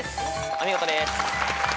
お見事です。